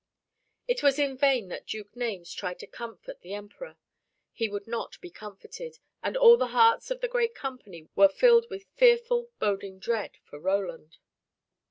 It was in vain that Duke Naimes tried to comfort the Emperor. He would not be comforted, and all the hearts of that great company were filled with fearful, boding dread for Roland.